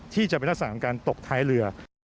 ที่จะเป็นลักษณะของการตกท้ายเรือ